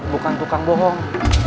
bukan tukang bohong